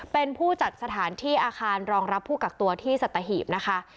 เป็นผู้จัดสถานที่อาคารรองรับผู้กักตัวที่สัตหีบนะคะ